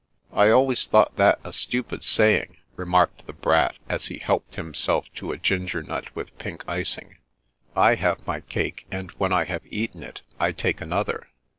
" I always thought that a stupid saying/' re marked the Brat, as he helped himself to a ginger nut with pink icing. " I have my cake, and when I have eaten it, I take another."